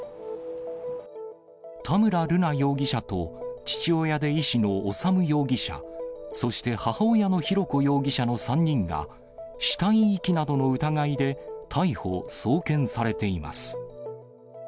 田村瑠奈容疑者と、父親で医師の修容疑者、そして母親の浩子容疑者の３人が、死体遺棄などの疑いで逮捕・送検されています。